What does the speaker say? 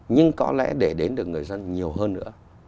nhưng có lẽ để đến được người dân nhiều hơn nữa